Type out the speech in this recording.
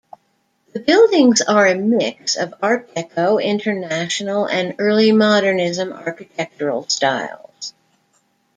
The buildings are a mix of Art Deco, International, and early Modernism architectural styles.